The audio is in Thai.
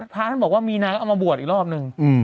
พระอาทิตย์บอกว่ามีนาเอามาบวดอีกรอบนึง